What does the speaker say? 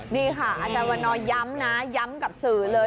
นี่ค่ะอาจารย์วันนอย้ำนะย้ำกับสื่อเลย